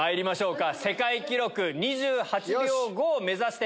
世界記録２８秒５を目指して。